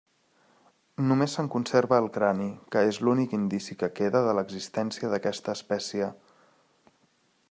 Només se'n conservà el crani, que és l'únic indici que queda de l'existència d'aquesta espècie.